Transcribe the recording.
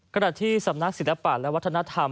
ขณะที่สำนักศิลปะและวัฒนธรรม